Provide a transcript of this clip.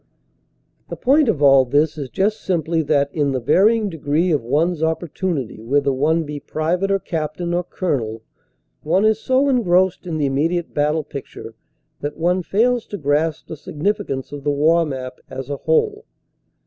The point of all this is just simply that, in the varying degree of one s opportunity whether one be private or cap tain or colonel one is so engrossed in the immediate battle picture that one fails to grasp the significance of the war map as a whole.